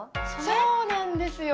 そうなんですよ。